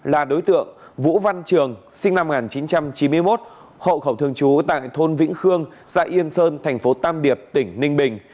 là đối tượng vũ văn trường sinh năm một nghìn chín trăm chín mươi một hộ khẩu thường trú tại thôn vĩnh khương xã yên sơn thành phố tam điệp tỉnh ninh bình